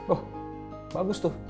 oh bagus tuh